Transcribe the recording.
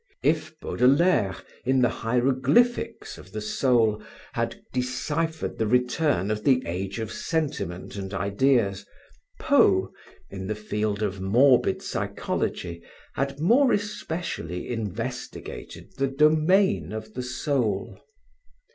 If Baudelaire, in the hieroglyphics of the soul, had deciphered the return of the age of sentiment and ideas, Poe, in the field of morbid psychology had more especially investigated the domain of the soul.